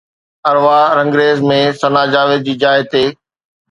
عروا رنگريز ۾ ثنا جاويد جي جاءِ تي